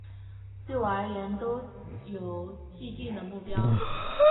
对我而言都有既定的目标